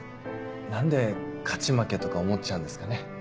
何で勝ち負けとか思っちゃうんですかね？